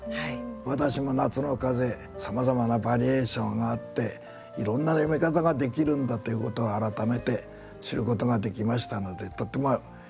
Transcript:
私も「夏の風」さまざまなバリエーションがあっていろんな詠み方ができるんだということを改めて知ることができましたのでとてもよい機会でした。